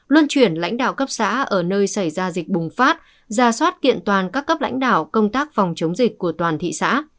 luân chuyển lãnh đạo cấp xã ở nơi xảy ra dịch bùng phát ra soát kiện toàn các cấp lãnh đạo công tác phòng chống dịch của toàn thị xã